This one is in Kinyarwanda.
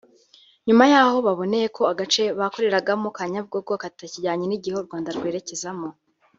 nyuma yaho baboneye ko agace bakoreragamo ka Nyabugogo katakijyanye n’igihe u Rwanda rwerekezamo